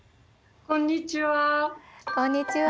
こんにちは。